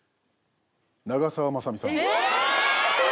長澤まさみさんです。